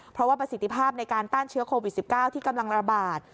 เพราะว่าประสิทธิภาพในการต้านเชื้อโควิด๑๙ที่กำลังระบาด